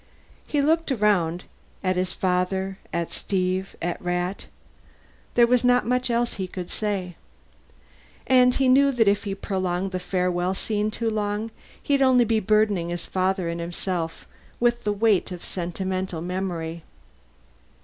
He looked around, at his father, at Steve, at Rat. There was not much else he could say. And he knew that if he prolonged the farewell scene too long, he'd only be burdening his father and himself with the weight of sentimental memory.